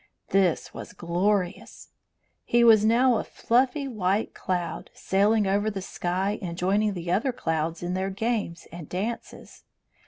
This was glorious. He was now a fluffy white cloud, sailing over the sky and joining the other clouds in their games and dances.